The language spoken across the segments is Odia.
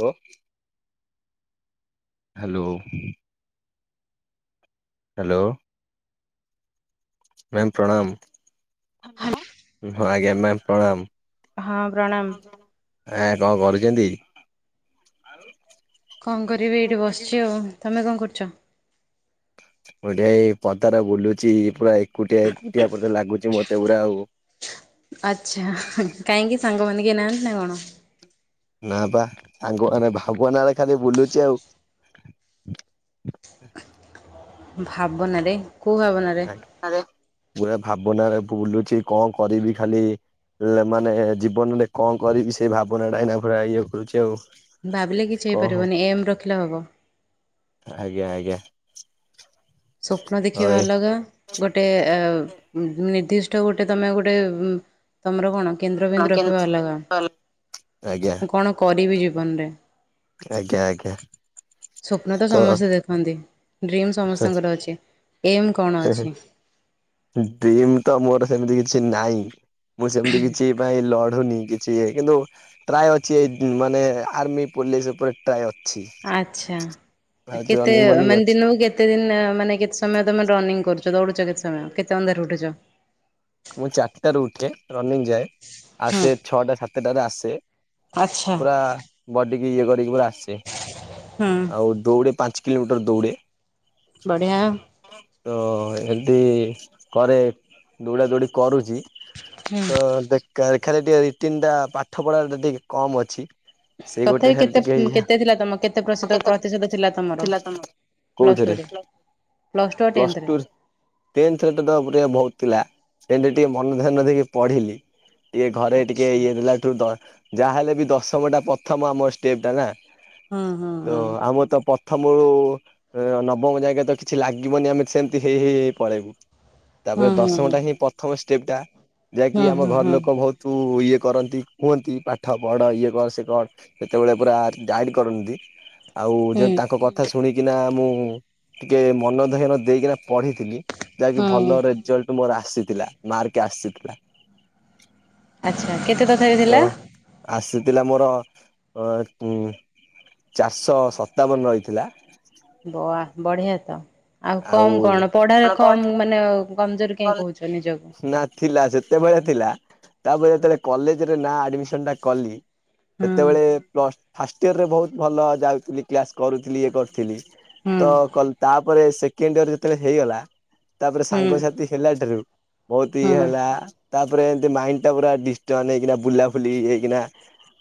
Hello hello. ହ୍ୟାଲୋ। ମ୍ୟାମ୍ ପ୍ରଣାମ। ହଁ ଆଜ୍ଞା ମ୍ୟାମ୍ ହଁ ପ୍ରଣାମ। ପ୍ରଣାମ। ଆଜ୍ଞା କଣ କରୁଛନ୍ତି? କଣ କରିବି ଏଇଠି ବସିଛି ଆଉ, ତମେ କଣ କରୁଛ? ମୁଁ ଏଇଠି ଏଇ ପଦାରେ ବୁଲୁଚି, ପୁରା ଏକୁଟିଆ ଏକୁଟିଆ ପୁରା ଲାଗୁଛି ମତେ ପୁରା ଆଉ। ଆଚ୍ଛା କାହିଁକି, ସାଙ୍ଗମାନେ କେହି ନାହାନ୍ତି ନା କଣ? ନା ବା ସାଙ୍ଗ ମାନେ, ଭାବନା ରେ ଖାଲି ବୁଲୁଛି ଆଉ। ଭାବନରେ, କୋଉ ଭାବନା? ଆରେ ପୁରା ଭାବନାରେ ବୁଲୁଛି, କଣ କରିବି ଖାଲି? ହେଲେ ମାନେ ଜୀବନରେ କଣ କରିବି ସେଇ ଭାବନା ଟା ଏନା ପୁରା ଇଏ କରୁଛି ଆଉ। ଭାବିଲେ କିଛି କଣ ହବ। ହେଇପାରିବନି, ଏମ୍ ରଖିଲେ ହବ। ଆଜ୍ଞା ଆଜ୍ଞା। ସ୍ୱପ୍ନ ଦେଖିବା ହଏ ଅଲଗା, ଗୋଟେ ନିର୍ଦ୍ଦିଷ୍ଟ ଗୋଟେ ତମେ ଗୋଟେ ତମର କଣ କେନ୍ଦ୍ରବିନ୍ଦୁ ରଖିବା ଅଲଗା। ଆଜ୍ଞା ମୁଁ କଣ କରିବି ଜୀବନରେ। ଆଜ୍ଞା ଆଜ୍ଞା। ସ୍ୱପ୍ନ ତ ସମସ୍ତେ ଦେଖନ୍ତି, ଡ୍ରିମ୍ ସମସ୍ତଙ୍କର ଅଛି, ଏମ୍ କଣ ଅଛି? ଡ୍ରିମ ତ ମୋର ସେମିତି କିଛି ନାହିଁ, ମୁଁ ସେମିତି କିଛି ପାଇଁ ଲଢୁନି, କିଛି ଏ କିନ୍ତୁ ଟ୍ରାୟ ଅଛି ଏଇ ମାନେ ଆର୍ମି ପୋଲିସ ଉପରେ ଟ୍ରାଏ ଅଛି। ଆଛା ଆ କେତେ ରନିଂ ମନିଂ ମାନେ ଅଛି ଦିନକୁ କେତେ କେତେ ଦିନ ମାନେ କେତେ ସମୟ ତମେ ରନିଂ କରୁଛ ଦୌଡୁଛ କେତେ ସମୟ, କେତେ ଅନ୍ଧାରୁ ଉଠୁଛ? ମୁଁ ଚାରିଟାରୁ ଉଠେ, ରନିଙ୍ଗ ଯାଏ, ହୁଁ। ଆସେ ଛଅଟା ସାତଟାରେ ଆସେ। ଆଚ୍ଛା ପୁରା ବଡିକି ଇଏ କରିକି ପୁରା ଆସେ। ହୁଁ। ଆଉ ଦୌଡ଼େ ପାଞ୍ଚ କିଲୋମିଟର ଦୌଡ଼େ। ବଢିଆ। ତ ଏମିତି କରେ ଦୌଡ଼ା ଦୌଡ଼ି କରୁଛି। ହୁଁ। ତ ଖାଲି ଟିକେ ରିଟିନ ଟା ପାଠ ପଢା ଟା ଟିକେ କମ ଅଛି। ସେ ତଥାପି ଗୋଟେ ଖାଲି କେତେ ଟିକେ ହେଇଆ। କେତେ ଥିଲା ତମେ କେତେ ପ୍ରତିଶତ ପ୍ରତିଶତ ଥିଲା ତମର ପ୍ଲସ୍ କୋଉଥିରେ, ଟୁରେ? ପ୍ଲସ୍ ଟୁ ଆଉ ପ୍ଲସ ଟେନ୍ଥରେ ଟୁ ରେ ଟେନ୍ଥରେ ତ ଟ ବହୁତ ଥିଲା, ଟେନ୍ଥ ରେ ଟିକେ ମନ ଧ୍ୟାନ ଦେଇକି ପଢ଼ିଲି। ଟିକେ ଘରେ ଟିକେ ଆଚ୍ଛା ଇଏ ଦେଲା ଠୁ, ଯାହାହେଲେ ବି ଦଶମ ଟା ପ୍ରଥମ ଆମ ଷ୍ଟେପ ଟା ନା। ହୁଁ ହୁଁ ତ ହୁଁ। ଆମ ତପ ପ୍ରଥମ ରୁ ନବମ ଜାଙ୍କେ ତ କିଛି ଲାଗିବନି ଆମେ ସେମିତି ହେଇ ହେଇ ହେଇ ପଳେଇବୁ। ତାପରେ ହୁଁ ହୁଁ ହୁଁ ଦଶମଟା ହିଁ ପ୍ରଥମ ଷ୍ଟେପ୍ ଟା, ଯାହାକି ହୁଁ ଆମ ହୁଁ ଘର ହୁଁ ଲୋକ ବହୁତ ତୁ ଇଏ କରନ୍ତି, କୁହନ୍ତି ପାଠ ପଢ଼ ଇଏ କର ସେ କର। ସେତେବେଳେ ପୁରା ଗାଇଡ କରନ୍ତି, ଆଉ ହୁଁ ଯଦି ତାଙ୍କ କଥା କଥା ଶୁଣିକିନା ମୁଁ ଟିକେ ମନ ଧ୍ୟାନ ଦେଇକିନା ପଢିଥିଲି। ଯାହାକି ହୁଁ। ଭଲ ରେଜଲ୍ଟ ମୋର ଆସିଥିଲା, ମାର୍କ ଆସିଥିଲା। ଆଚ୍ଛା କେତେ ତଥାପି ତ ଥିଲା? ଆସିଥିଲା ମୋର, ଅ ଚାରିଶହ ସତାବନ ରହିଥିଲା। ବ ବଢିଆ ତ, ଆଉ କମ କଣ ପଢାରେ କମ ମାନେ କମଜୋରି କାହିଁ କହୁଛ ନିଜକୁ? ନା। ଥିଲା ସେତେବେଳେ ଥିଲା ତାପରେ ଯେତେବେଳେ କଲେଜ ରେ ନା ଆଡମିସନ ଟା କଲି ହୁଁ ସେତେବେଳେ ପ୍ଲସ୍ ଫାଷ୍ଟ ଇୟର ରେ ବୋହୁତ ଭଲ ଯାଉଥିଲି କ୍ଲାସ କରୁଥିଲି ଇଏ କରୁଥିଲି ହୁଁ ତ କଲ ତାପରେ ସେକେଣ୍ଡ ଇୟର ଯେତେବେଳେ ହେଇଗଲା ତାପରେ ହୁଁ ସାଙ୍ଗସାଥି ଖିଲା ଠାରୁ ବୋହୁତ ଇଏ ହେଲା ତା ପରେ ଏମିତି ମାଇଣ୍ଡ ଟା ପୁରା ଡିଷ୍ଟର୍ବ ହେଇକିନା ବୁଲାଲି ହେଇକିନା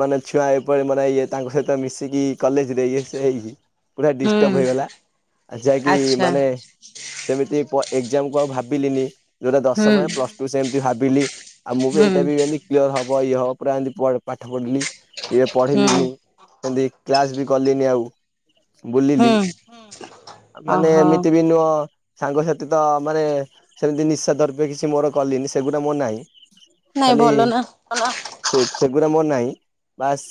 ମାନେ ଛୁଆ ଏପରି ମାନେ ଇଏ ତାଙ୍କ ସହିତ ମିଶିକି କଲେଜରେ ଇ ସେ ହେଇକି ପୁରା ଡିଷ୍ଟର୍ବ ହୁଁ ହେଇଗଲା ଆଉ ଯାହାକି ଆଚ୍ଛା ମାନେ ସେମିତି ପଏ ଏକ୍ଜାମ କୁ ଆଉ ଭାବିଲିନି ଯୋଉଟା ହୁଁ ଦଶମରେ ପ୍ଲସ ଟୁ ସେମିତି ଭାବିଲି ଆଉ ମୁଁ ବି ହୁଁ ଏଇଟା ବି ଏମତି କ୍ଲିୟର ହବ ଇଏ ହବ ପୁରା ଏମିତି ପାଠ ପଢିଲି। ଟିକେ ହୁଁ ପଢିଲିନି ସେମିତି କ୍ଲାସ ବି କଲିନି ଆଉ। ବୁଲିଲି ହୁଁ ମାନେ ଓହୋ ଏମିତି ବି ନୁହ ସାଙ୍ଗସଥି ତ ମାନେ ସେମିତି ନିଶା ଦର୍ବ କିଛି ମୋର କଲିନି ସେଗୁଡା ମୋର ନାହିଁ। ନାଇଁ ଖାଲି ଭଲ ନା ସେଗଡା ମୋର ନାହିଁ। ବାସ୍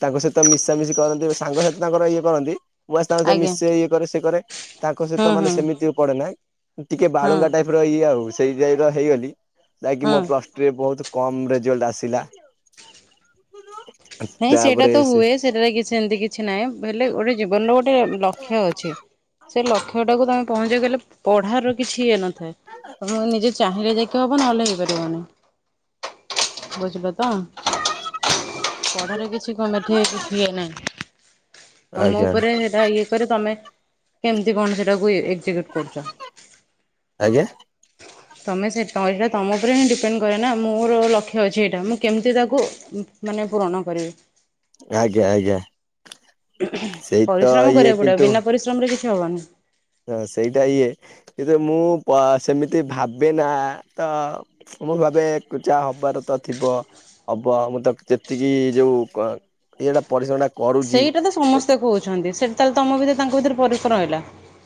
ତାଙ୍କ ସହିତ ମିଶାମିଶି କରନ୍ତି ସାଙ୍ଗ ସାଥି ତାଙ୍କର ଇଏ କରନ୍ତି। ମୁ ବାସ୍ ତାଙ୍କ ସହିତ ଆଜ୍ଞା ମିଶେ ଇଏ କରେ ସେ କରେ ତାଙ୍କ ହୁଁ ସହିତ ହୁଁ ମାନେ ସେମିତି ପଡେନା ଟିକେ ହୁଁ ବାଳୁଙ୍ଗା ଟାଇପ ପିର ଇଏ ଆଉ ସେଇ ଯ ହେଇଗଲି ଯାହାକି ହୁଁ ମୋ ପ୍ଲସ ଟୁରେ ବୋହୁତ କମ ରେଜଲ୍ଟ ଆସିଲା। ନାଇଁ ସେଇଟା ତାପରେ ତ ସେ ହୁଏ ସେଟ କିଛି ଏମିତି କିଛି ନାହିଁ ହେଲେ ଗୋଟେ ଜୀବନର ଗୋଟେ ଗୋଟେ ଲକ୍ଷ୍ୟ ଅଛି ସେ ଲକ୍ଷ୍ୟ ଟାକୁ ତମେ ପହଞ୍ଚି ଗଲେ ପଢାର କିଛି ଇଏ ନା ତ ନିଜେ ଚାହିଁଲେ ଯାଇକି ହବନହଲେ ହେଇପାରିବନି। ବୁଝିଲ ତ। ପଢାରେ କିଛି କମେଠି କିଛି ହୁଏ ନାହିଁ ତମ ଆଜ୍ଞା ଉପରେ ସେଇଟା ଇଏ କରେ ତମେ କେମିତି କଣ ସେଟାକୁ ଇ [unintelligible] କରୁଚ। ଆଜ୍ଞା। ତମେ ସେ ଏଇଟା ତମ ଉପରେ ହିଁ ଡିପେଣ୍ଡ କରେ ନା ମୋର ଲକ୍ଷ୍ୟ ଅଛି ଏଇଟା ମୁଁ କେମିତି ତାକୁ ମାନେ ପୂରଣ କରିବି। ଆଜ୍ଞା ଆଜ୍ଞା। ସେଇ ତ ପରିଶ୍ରମ ଇଏ କରିବାକୁ ପଡିବ କିନ୍ତୁ ବିନା ପରିଶ୍ରମରେ କିଛି ହବନି। ହଁ ସେଇଟା ଇଏ କିନ୍ତୁ ମୁଁ ସେମିତି ଭାବେ ନା ତ ମୁଁ ଭାବେ କଚା ହବାର ତ ଥିବ। ହବ ମୁଁ ତ ଯେତିକି ଯୋଉ ଏଇଟା ପରିଶ୍ରମଟା କରୁଛି ସେଇଟା ତ ଏ ସମସ୍ତେ କହୁଛନ୍ତି ସେଟି ତାହେଲେ ତମ ଭିତରେ ତାଙ୍କ ଭିତରେ ଫରକ ରହିଲା।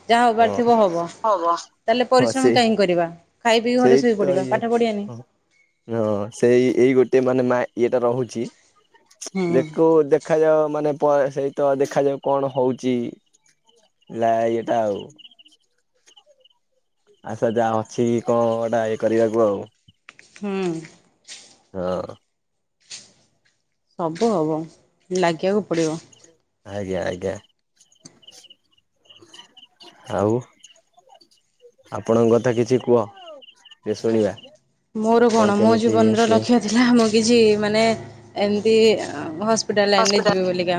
ଯାହା ହବାର ହଁ ଥିବ ହବ। ତାହେଲେ ହଁ ପରିଶ୍ରମ ସେଇ କାଇଁ କରିବା ଖାଇ ପିଇି ଘରେ ସେଇ ଶୋଇ ତ ପଡିବା ଇଏ ପାଠ ପଢିବାନି। ହଁ ହଁ ସେଇ ଏଇ ଗୋଟେ ମାନେ ମା ଇଏଟା ରହୁଚି। ହୁଁ ଦେଖୁ ଦେଖାଯାଉ ମାନେ ପ ସେହିତ ଦେଖାଯାଉ କଣ ହଉଚି ଲା ଇଏଟା ଆଉ। ଆଚ୍ଛା ଯାହା ଅଛି କଅ ଏଟା ଇଏ କରିବାକୁ ଆଉ। ହୁଁ। ତ। ସବୁ ହବ ଲାଗିବାକୁ ପଡ଼ିବ। ଆଜ୍ଞା ଆଜ୍ଞା ଆଉ। ଆପଣଙ୍କ କଥା କିଛି କୁହ ଶୁଣିବା କଣ କେମିତି ଇଏ ସିଏ ରା ମୁକିଛି ମାନେ ଏମତି ହସ୍ ଏପଟା ଲଇନ ଜିବେ ବୋଲିକା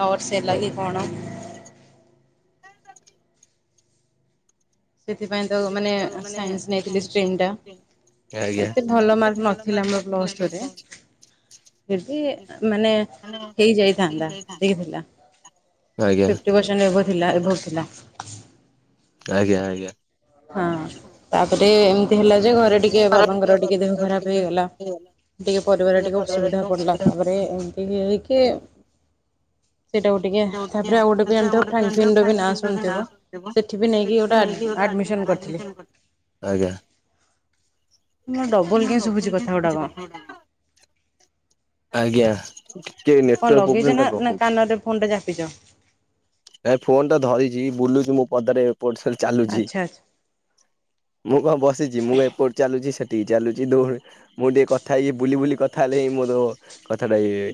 ନରସ୍ ଏଲାଗି ଆଜ୍ଞା। କଣ ସେଥିପାଇଁ ତକୁ ମାନେ ସାଇନ୍ସ ନେଇଥିଲି ଷ୍ଟିମ ଟା। ଆଜ୍ଞା ଆଜ୍ଞା ଏତେ ଭଲ ମାର୍କ ନଥିଲା ମୋର ପ୍ଲସ୍ ଟୁରେ। ଏଠି ମାନେ ହେଇ ଯାଇଥାନ୍ତା ଦେଇଥିଲା। ଫିପ୍ଟି ପର୍ସେଣ୍ଟ ଏଭବ୍ ଥିଲା ଏଭାବ୍ ଥିଲା। ଆଜ୍ଞା ଆଜ୍ଞା। ହଁ ତାପରେ ଏମିତି ହେଲା ଯେ ଘରେ ଟିକେ ବାବାଙ୍କର ଟିକେ ଦେହ ଖରାପ ହେଇଗଲା। ଟିକେ ପରିବାର ଟିକେ ଅସୁବିଧା ପଡିଲା ତାପରେ ଏମିତି ହେଇକି ସେଇଟାକୁ ଟିକେ ତାପରେ ଆଉ ଗୋଟେ ବି ଜାଣିଥିବ ଫ୍ରାନ୍ ଫିନ୍ ର ବି ନାଁ ଶୁଣିଥିବ। ସେ ବି ନେଇକି ଗୋଟା ଆଡମିସନ୍ ଆଜ୍ଞା [unintelligible] ମ ଡବଲ କେ ଶୁଭୁଛି କଥା ଗୁଡା କଣ? ଆଜ୍ଞା ଟିକେ ନେଟୱାର୍କ ପ୍ରୋବ୍ଲେମଟା ରହୁଛି। ଫୋନ୍ ତା ଚାପିଦିଅ। ଏ ଫୋନ ଟା ଧରିଛି ବୁଲୁଛି ମୋ ପଦାରେ ଚାଲୁଛି। ଆଚ୍ଛା ଆଚ୍ଛା ମୁଁ କଣ ବସିଛି ମୁଁ ଏପଟେ ଚାଲୁଛି ସେଠିକି ଚାଲୁଛି ଦୌଡୁ ମୁଁ ଟିକେ କଥା ଇଏ ବୁଲି ବୁଲି କଥା ହେଲେ ହି ମୋର କଥାଟା ଇଏ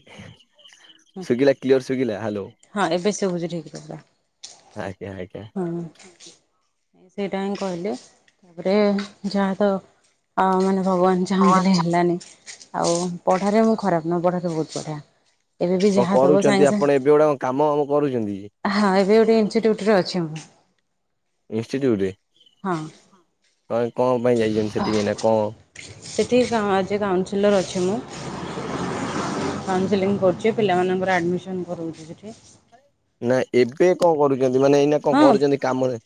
ଶଭିଲା କ୍ଲିୟର ଶୁଭିଲା ହାଲୋ। ହଁ ଏବେ ସବୁଛି ଠିକ କଥା। ଆଜ୍ଞା ଆଜ୍ଞା। ହଁ। [inaudible] ସେଇଟା ହିଁ କହିଲେ ତାପରେ ଯାହା ତ ମାନେ ଭଗବାନ ଚାହୁଁଥିଲେ ହେଲାନି ଆଉ ପଢ଼ାରେ ମୁଁ ଖରାପ ନୁହେଁ ପଢ଼ାରେ ବହୁତ ବଢ଼ିଆ। ଏବେ ବି କଣ ଯାହା ଦବ ସାଙ୍ଗେ କରୁଛନ୍ତି ସାଙ୍ଗେ ଆପଣ ଏବେ ଗୁଡା କଣ କାମ ଆମ କରୁଛନ୍ତି ଯେ ହଁ ଏବେ ଗୋଟେ ଇଞ୍ଚି ଡ୍ୟୁଟି ରେ ଅଛି ମୁଁ। ଇନଷ୍ଟିଚ୍ୟୁଟରେ ହଁ କଣ କଣ ପାଇଁ ଯାଇଛଛନ୍ତି ସେଠିକି ନା କଣ ସେଠି ଆଜି କାଉନସିଲର ଅଛି ମୁଁ। କାଉନସିଲିଙ୍ଗ କରୁଛି ପିଲାମାନଙ୍କର ଆଡମିସନ କରଉଛି ସେଠି। ନା ଏବେ କଣ କରୁଛନ୍ତି ମାନେ ଏଇନା କଣ ହଁ କରୁଛନ୍ତି କାମରେ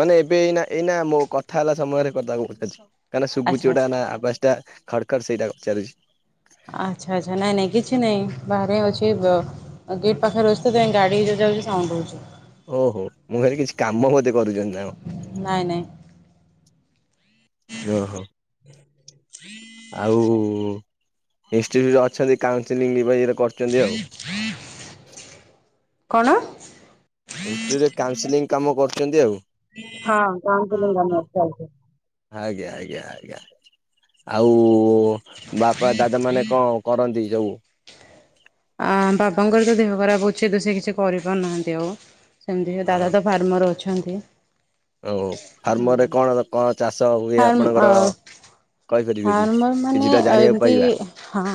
ମାନେ ଏବେ ଏଇନା ଏଇନା ମୋ କଥା ହେଲା ସମୟରେ ପଦାକୁପଳିଆସିଛି। କାହିଁନା ଶୁଭୁଛି ଆଚ୍ଛା ଗଟା ନା ଆବାସ ଟା ଖଡ ଖଡ ସେଇଟା ଚାଲୁଛି। ଆଚ୍ଛା ଆଚ୍ଛା ନାଇଁ ନାଇଁ କିଛି ନାଇଁ ବାହାରେ ଅଛି। ଆଉ ଗେଟ୍ ପାଖରେ ଅଛିତ ଗାଡି ଯାଉଛି ସାଉଣ୍ଡ ହଉଛି। ଓହୋ ମୁଁ କହିଲି କିଛି କାମ ବୋଧେ କରୁଛନ୍ତି ନା କଣ। ନାଇଁ ନାଇଁ। ଓ ହୋ। ଆଉ ଇନଷ୍ଟିଚ୍ୟୁଟ ଅଛନ୍ତି କାଉନସିଲି ଇଏରେ କରୁଛନ୍ତି ଆଉ। କଣ? ଏଣ୍ରେ କାଉନସେଲିଂ କାମ କରୁଛନ୍ତି ଆଉ। ହଁ କଙ୍ଗ ଚାଲଛି [unintelligible] ଆଜ୍ଞା ଆଜ୍ଞା ଆଜ୍ଞା ଆଉ ବାପା ଦାଦା ମାନେ କଣ କରନ୍ତି ଯୋଉ ଆ ବାବାଙ୍କର ତ ଦେହ ଖରାପ ଅଛି ତ ସେ କିଛି କରିପାରୁନାହାନ୍ତି ଆଉ ସେମିତି ହଁ ଦାଦ ତ ଧର୍ମର ଅଛନ୍ତି। ଆଉ ଫାର୍ମରେ କଣ କଣ ଚାଷ ହୁଏ ଫାର୍ମ ଅ ଆପଣଙ୍କର? କହିପାରିବେ କି? ଫାର୍ମର ମାନେ କିଛିଟା ଜାଣିବାକୁ ଏମିତି ପାଇବା। ହଁ।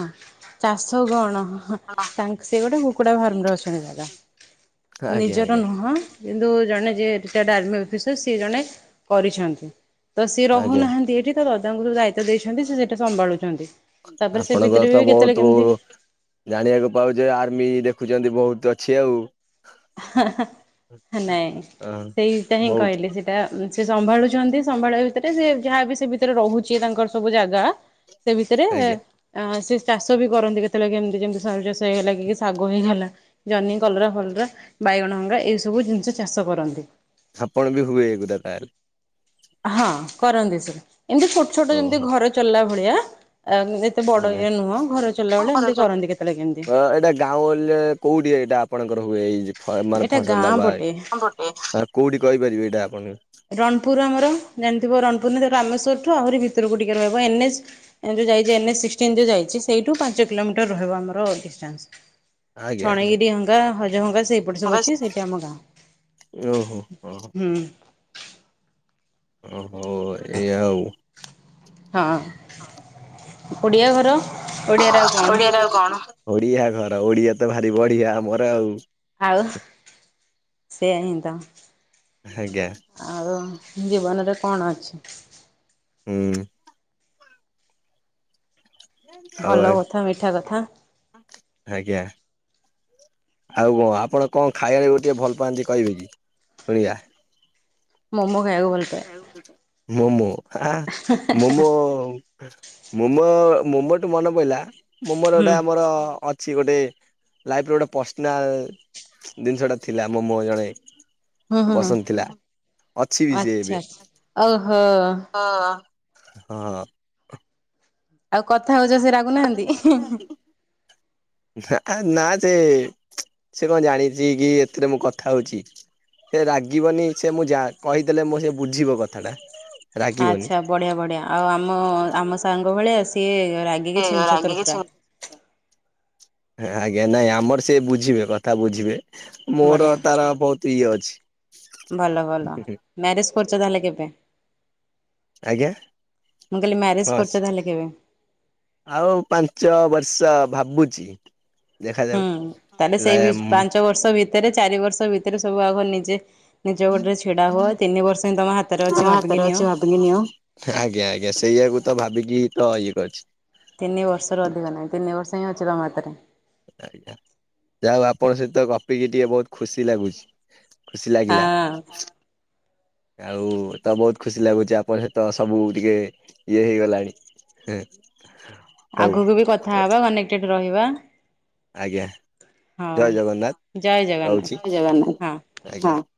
ଚାଷ କଣ ସେ ଗୋଟେ କୁକୁଡା ଫାର୍ମରେ ଅଛନ୍ତି ଦାଦା। ଆଜ୍ଞା ନିଜର ଆଜ୍ଞା ନୁହଁ। କିନ୍ତୁ ଜଣେ ଯିଏ ରିଟାୟାର୍ଡ଼ ଆର୍ମି ଅଫିସର ସିଏ ଜଣେ କରିଛନ୍ତି। ତ ସିଏ ଆଜ୍ଞା ରହୁନାହାନ୍ତି ଏଇଠି ତ ଦାଦାଙ୍କୁ ଯୋଉ ଦାୟିତ୍ୱ ଦେଇଛନ୍ତି ସେ ସେଇଟା ସମ୍ଭାଳୁଛନ୍ତି। ତାପରେ ସେ ଭିତରେ ଆପଣଙ୍କର ବି ତ କେତେବେଳେ ବହୁତ କେମିତି ଜାଣିବାକୁ ପାଉଛେ ଆର୍ମି ଦେଖୁଛନ୍ତି ବହୁତ ଅଛି ଆଉ। ନାଇଁ ହଁ। ସେଇଟା ହିଁ ବହୁତ କହିଲେ ସେ। ସେଟା ସେ ସମ୍ଭାଳୁଛନ୍ତି ସମ୍ଭାଳିବା ଭିତରେ ସେ ଯାହାବି ସେ ଭିତରେ ରହୁଛି ତାଙ୍କର ସବୁ ଜାଗା ସେ ବିଷୟରେ ଆଜ୍ଞା ଆ ସେ ଚାଷ ବି କରନ୍ତି କେତେବେଳେ କେମିତି ଯେମିତି ସରୁ ଚାଷ ହେଇଗଲା କି ଶାଗ ହେଇଗଲା। ଜହ୍ନି, କଲରା, ଫଲରା, ବାଇଗଣ ଅଙ୍ଗା ଏଇ ସବୁ ଜିନିଷ ଚାଷ କରନ୍ତି। ଆପଣ ବି ହୁଏ ଏଗୁରା ତାହେଲେ। ହଁ କରନ୍ତି ସବୁ, ଏମିତି ଛୋଟ ଛୋଟ ଯେମିତି ଓହୋ ଘର ଚଳିଲା ଭଳିଆ ଏତେ ବଡ ଆଜ୍ଞା। ଇଏ ନୁହଁ ଘର ଚଳିଲା ଭଳିଆ ଏମତି କରନ୍ତି ତେବେଳେ କେମିତି। ଗାଁଉଁଲି ରେ କଉଠି ଏଇଟା ଆପଣଙ୍କର ହୁଏ ଏଇ ଯେ ଆର ଏଇଟା ଫସଲ ଗାଁ ଲବା ପଟେ କୋଉଠି କହିପାରିବେ ଏଇଟା ଆପଣଙ୍କୁ? ରଣପୁର ଆମର ଜାଣିଥିବ ରଣପୁର ନା ରାମେସ୍ୱରଠୁ ଆହୁରି ଭିତରକୁ ଟିକେ ରହିବ ଏନଏଚ। ଯେଉଁ ଯାଇଛି ଏନ୍ଏସ୍ ସିକସଟିନ୍ ଯେଉଁ ଯାଇଛି ସେଇଠୁ ପାଞ୍ଚ କିଲୋମିଟର ରହିବ ଆମର ଡିଷ୍ଟାନ୍ସ। ଆଜ୍ଞା ଆଜ୍ଞା ଛଣଗିରି ହଙ୍ଗା, ହଜ ହଙ୍ଗା ସେଇ। [unintelligible] ଓହୋ ହ ହୋ। ହୁଁ। ଓହୋ ଏଇ ଆଉ। ହଁ ଓଡ଼ିଆ ଘର। ଓଡ଼ିଆରେ ଆଉ କଣ ଓଡ଼ିଆ ରେ ଆଉ କଣ? ଓଡିଆ ଘର ଓଡିଆ ତ ଭାରି ବଢିଆ ଆମର ଆଉ। ଆଉ ସେ ହିଁ ତ। ଆଜ୍ଞା। ଆଉ ଜୀବନରେ କଣ ଅଛି? ହୁଁ। ଆଉ ଭଲ କଥା, ମିଠା କଥା। ଆଜ୍ଞା। ଆଉ କଣ ଆପଣ କଣ ଖାଇବାବେକୁ ଟିକଏ ଭଲ ପାଆନ୍ତି କହିବେ କି ଶୁଣିବା? ମୋମୋ। ଖାଇବାକୁ ଭଲ ପାଏ। ମୋମୋ ଆ ଆଁ ମୋମୋ। ମୋମୋ ମୋମୋ ଟୁ ମନେ ପଡଲା ମୋମୋର ହୁଁ ଏଟା ଆମର ଅ କିଛି ଗୋଟେ ଲାଇଫ୍ର ଗୋଟେ ପର୍ସନାଲ ଜିନିଷଟା ଥିଲା ମୋ ମୋ ଜଣେ। ହୁଁ ହୁଁ ହୁଁ ପସନ୍ଦ ଥିଲା। ଅଛି ଆଚ୍ଛା ଆଛା ଓହୋ। ହଁ ହଁ। ଆଉ କଥା ହଉଛ ସେ ରାଗୁନାହାନ୍ତି? ହିଁ ହିଁ [inaudible] ନା ନା ସେ ସେ କଣ ଜାଣିଛି କି ଏଥିରେ ମୁଁ କଥା ହଉଛି? ସେ ରାଗିବନି ସେ ମୁଁ ଯା କହିଥିଲେ ମୋ ସେ ବୁଝିବ କଥାଟା। ରାଗିବନି ଆଚ୍ଛା ବଢ଼ିଆ ବଢ଼ିଆ ଆଉ ଆମ ଆମ ସାଙ୍ଗ ଭଳିଆ ସିଏ ରାଗିକି ସେଇ ଛିନଛତର ରାଗି ପୁରା। କିଛି ଆଜ୍ଞା ନାଇଁ ଆମର ସେ ବୁଝିବେ କଥା ବୁଝିବେ। ମୋର ବଢ଼ିଆ ତାର ବହୁତ ଇଏ ଅଛି। ଭଲ ଭଲ ମ୍ୟାରେଜ କରୁଛ ତାହେଲେ କେବେ? ଆଜ୍ଞା ମୁଁ କହିଲି ମ୍ୟାରେଜ ହଁ କରୁଚ ତାହେଲେ କେବେ? ଆଉ ପାଞ୍ଚ ବର୍ଷ ଭାବୁଛି। ଦେଖାଯାଉ ହୁଁ ତାହେଲେ ଲା ସେଇ ପାଞ୍ଚ ବର୍ଷ ଭିତରେ ଚାରି ବର୍ଷ ଭିତରେ ସବୁ ଆଗ ନିଜେ ନିଜ ଗୋଡ଼ରେ ଛିଡ଼ା ହୁଅ ତିନି ବର୍ଷ ହିଁ ତମ ହାତରେ ଅଛି ଭାବିକି ନିଅ। ଆଜ୍ଞା ଆଜ୍ଞା ସେଇୟାକୁ ତ ଭାବିକି ତ ଇଏ କରିଛି। ତିନି ବର୍ଷରୁ ଅଧିକ ନାହିଁ ତିନି ବର୍ଷ ହିଁ ଅଛି ତୁମ ହାତରେ। ଆଜ୍ଞା ଯାହା ହଉ ଆପଣଙ୍କ ସହିତ ଗପିକି ଟିକେ ବହୁତ ଖୁସି ଲାଗୁଛି। ଖୁସି ଲାଗିଲା। ହଁ ଆଉ ତ ବହୁତ ଖୁସି ଲାଗୁଛି ଆପଣ ସହିତ ସବୁ ଟିକେ ଇଏ ହେଇଗଲାଣି। ହେଁ। ଆଗକୁ ବି କଥା ହବା କନେକ୍ଟେଡ ରହିବା। ଆଜ୍ଞା ହଁ ଜୟ ଜୟ ଜଗନ୍ନାଥ ଜଗନ୍ନାଥ ରହୁଛି, ଜୟ ଜଗନ୍ନାଥ, ହଁ। ଆଜ୍ଞା, ହଁ।